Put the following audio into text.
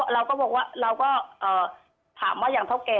เราก็ถามว่าอย่างเท่าแก่